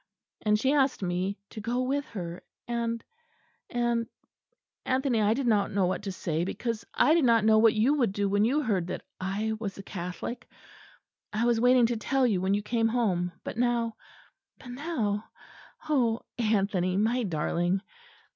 And she asked me to go with her. And, and Anthony, I did not know what to say; because I did not know what you would do when you heard that I was a Catholic; I was waiting to tell you when you came home but now but now Oh, Anthony, my darling!"